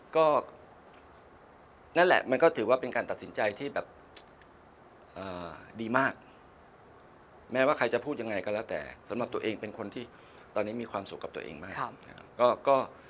ก็นั่นแหละมันก็ถือว่าเป็นการตัดสินใจที่แบบดีมากแม้ว่าใครจะพูดยังไงก็แล้วแต่สำหรับตัวเองเป็นคนที่ตอนนี้มีความสุขกับตัวเองมากนะครับ